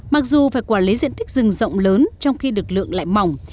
mặc dù phải quản lý diện tích rừng rộng lớn trong khi lực lượng lại mỏng